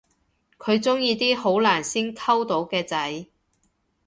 佢鍾意啲好難先溝到嘅仔